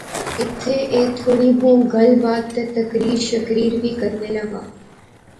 ایتھیں ایہہ تھوڑی بہوں گل بات تہ تقریر شقریر وی کرنے لاغا